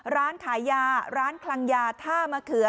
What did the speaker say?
ร้านขายยาร้านคลังยาท่ามะเขือ